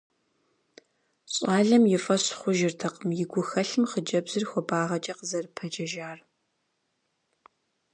Щӏалэм и фӀэщ хъужыртэкъым и гухэлъым хъыджэбзыр хуабагъэкӀэ къызэрыпэджэжар.